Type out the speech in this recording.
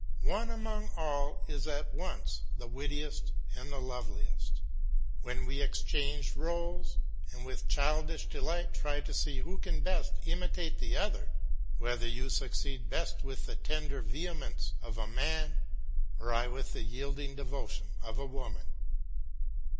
One among all is at once the wittiest and the loveliest: when we exchange rôles and with childish delight try to see who can best imitate the other; whether you succeed best with the tender vehemence of a man, or I with the yielding devotion of a woman.